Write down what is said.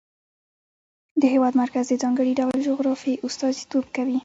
د هېواد مرکز د ځانګړي ډول جغرافیه استازیتوب کوي.